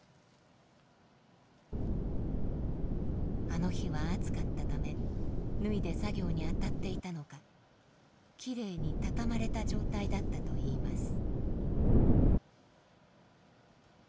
あの日は暑かったため脱いで作業に当たっていたのかきれいに畳まれた状態だったといいます。